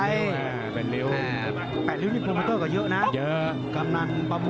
ต่อเป้าเผลี่ยมทรัพย์อะนะ